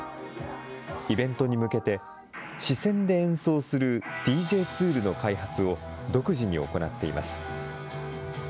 イベントに向けて、視線で演奏するＤＪツールの開発を独自に行っています。